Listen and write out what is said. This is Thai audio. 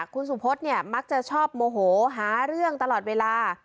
คุณสุพธเนี่ยมักจะชอบโมโหหาเรื่องตลอดเวลา